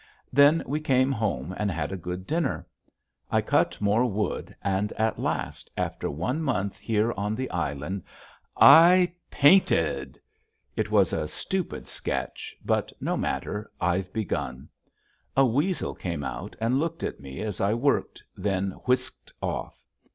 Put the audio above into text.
Then we came home and had a good dinner. I cut more wood and at last, after one month here on the island, I PAINTED. It was a stupid sketch, but no matter, I've begun! A weasel came out and looked at me as I worked, then whisked off.